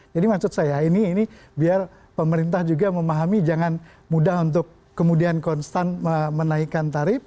jadi maksud saya ini biar pemerintah juga memahami jangan mudah untuk kemudian konstan menaikkan tarif